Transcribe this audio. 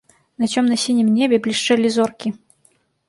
На цёмна-сінім небе блішчэлі зоркі.